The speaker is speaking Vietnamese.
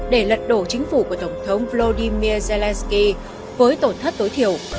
để lật đổ chính phủ của tổng thống vladimir zelensky với tổn thất tối thiểu